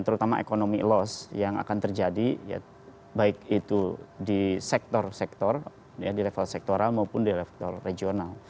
terutama ekonomi loss yang akan terjadi baik itu di sektor sektor di level sektoral maupun di level regional